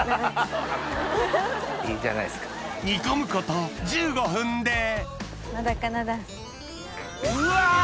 煮込むこと１５分でジャン。